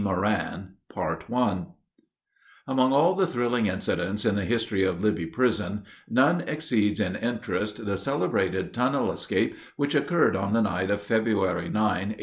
MORAN Among all the thrilling incidents in the history of Libby Prison, none exceeds in interest the celebrated tunnel escape which occurred on the night of February 9, 1864.